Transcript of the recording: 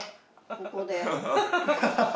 ここで。